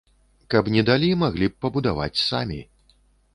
Каб не далі, маглі б пабудаваць самі.